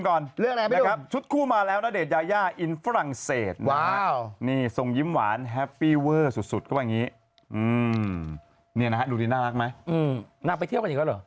งัดทะงัดเหรองัดทะงัดมันต้องงัดบ้างงัดทะงัด